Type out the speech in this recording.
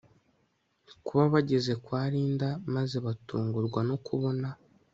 kuba bageze kwa Linda maze batungurwa no kubona